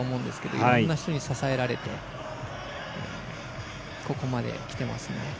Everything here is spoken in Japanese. いろんな人に支えられてここまできてますね。